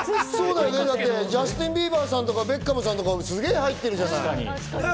ジャスティン・ビーバーさんとか、ベッカムさんとか、すげぇ入ってるじゃない。